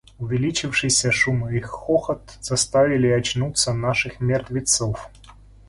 Увеличившийся шум и хохот заставили очнуться наших мертвецов.